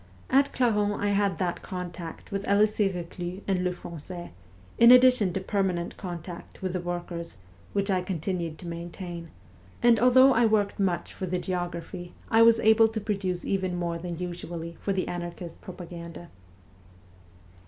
At Clarens I had that contact with Elise"e Eeclus and Lefran9ais, in addition to permanent contact with the workers, which I con WESTERN EUROPE 235 tinned to maintain ; and although I worked much for the geography, I was able to produce even more than usually for the anarchist propaganda.